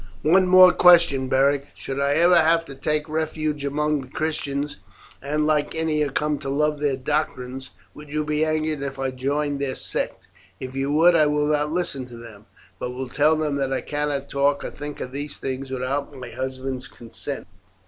"One more question, Beric. Should I ever have to take refuge among the Christians, and like Ennia come to love their doctrines, would you be angered if I joined their sect? If you would I will not listen to them, but will tell them that I cannot talk or think of these things without my husband's consent."